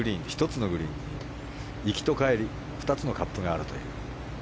１つのグリーンに行きと帰り２つのカップがあるという。